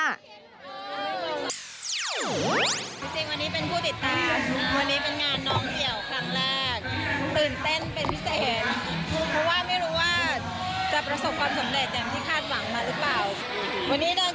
จริงวันนี้เป็นผู้ติดตาม